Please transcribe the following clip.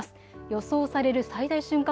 予想される最大瞬間